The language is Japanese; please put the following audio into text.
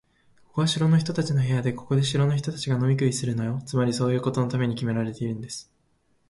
ここは城の人たちの部屋で、ここで城の人たちが飲み食いするのよ。つまり、そういうことのためにきめられているんです。